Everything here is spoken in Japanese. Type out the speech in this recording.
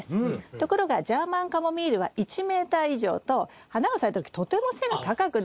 ところがジャーマンカモミールは１メーター以上と花が咲いた時とても背が高くなるんですよ。